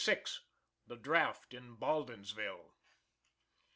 THE DRAFT IN BALDINSVILLE.